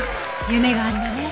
夢があるわね。